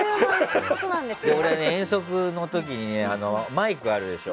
遠足の時にマイクがあるでしょ。